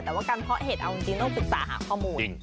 แต่ว่าการเพาะเห็ดเอาจริงต้องปรึกษาหาข้อมูล